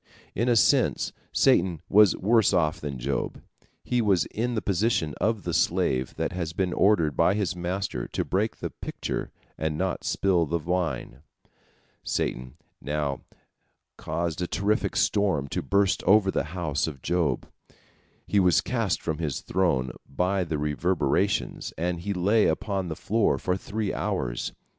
In a sense Satan was worse off than Job. He was in the position of the slave that has been ordered by his master to break the pitcher and not spill the wine. Satan now caused a terrific storm to burst over the house of Job. He was cast from his throne by the reverberations, and he lay upon the floor for three hours.